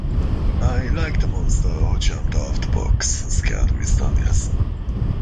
I liked the monster who jumped out of the box and scared mister Nilsson.